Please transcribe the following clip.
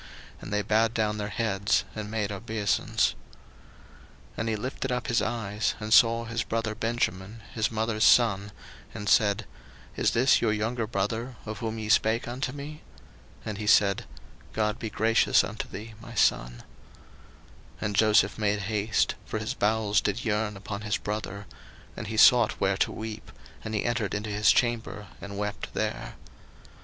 And they bowed down their heads, and made obeisance. 01:043:029 And he lifted up his eyes, and saw his brother Benjamin, his mother's son, and said, Is this your younger brother, of whom ye spake unto me? And he said, God be gracious unto thee, my son. 01:043:030 And Joseph made haste; for his bowels did yearn upon his brother: and he sought where to weep; and he entered into his chamber, and wept there.